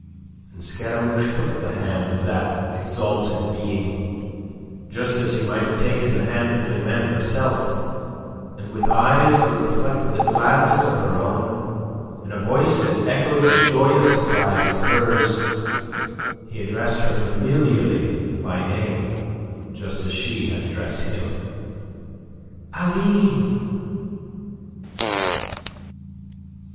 And Scaramouche took the hand of that exalted being, just as he might have taken the hand of Climene herself, and with eyes that reflected the gladness of her own, in a voice that echoed the joyous surprise of hers, he addressed her familiarly by name, just as she had addressed him. "Aline!"